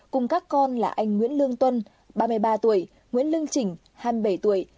cùng các con là anh nguyễn lương tuân ba mươi ba tuổi nguyễn lương chỉnh hai mươi bảy tuổi